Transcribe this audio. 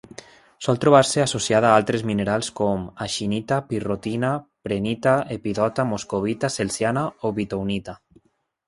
Sol trobar-se associada a altres minerals com: axinita, pirrotina, prehnita, epidota, moscovita, celsiana o bytownita.